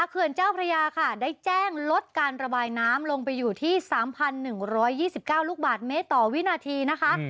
เขื่อนเจ้าพระยาค่ะได้แจ้งลดการระบายน้ำลงไปอยู่ที่๓๑๒๙ลูกบาทเมตรต่อวินาทีนะคะ